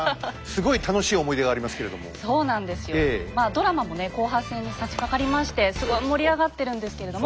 ドラマもね後半戦にさしかかりましてすごい盛り上がってるんですけれども。